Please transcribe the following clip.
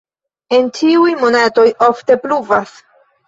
En ĉiuj monatoj ofte pluvas.